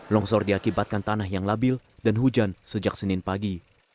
longsor diakibatkan tanah yang labil dan hujan sejak senin pagi